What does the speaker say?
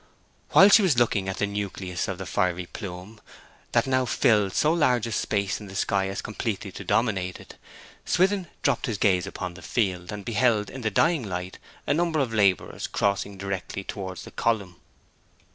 While she was looking at the nucleus of the fiery plume, that now filled so large a space of the sky as completely to dominate it, Swithin dropped his gaze upon the field, and beheld in the dying light a number of labourers crossing directly towards the column.